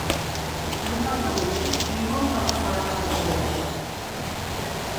En un altre moment, Lincoln va agafar la capa de Robert.